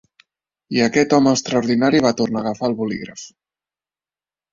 I aquest home extraordinari va tornar a agafar el bolígraf.